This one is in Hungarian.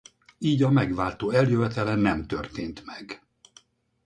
Így a Megváltó eljövetele nem történt meg.